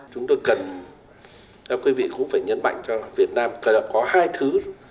chúng tôi cần các quý vị cũng phải nhấn mạnh cho việt nam có hai thứ